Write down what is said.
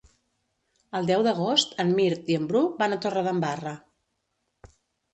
El deu d'agost en Mirt i en Bru van a Torredembarra.